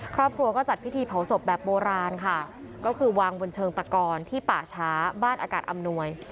ครอบครัวก็จัดพิธีเผาศพแบบโบราณค่ะก็คือวางบนเชิงตะกอนที่ป่าช้าบ้านอากาศอำนวย